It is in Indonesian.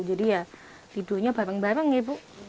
jadi ya tidurnya bareng bareng ya bu